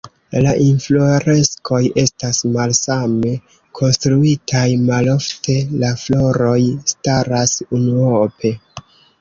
La infloreskoj estas malsame konstruitaj, malofte la floroj staras unuope.